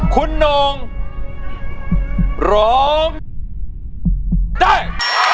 คุณองค์ร้องได้